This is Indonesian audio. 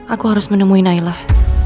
aku harus menemui nailah